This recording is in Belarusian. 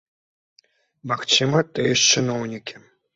Магчыма, тыя ж чыноўнікі.